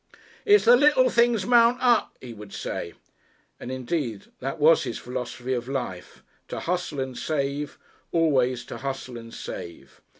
"It's the little things mount up," he would say; and, indeed, that was his philosophy of life to bustle and save, always to bustle and save.